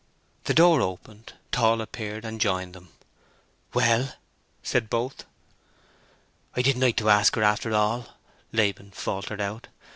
The door opened. Tall appeared, and joined them. "Well?" said both. "I didn't like to ask for her after all," Laban faltered out.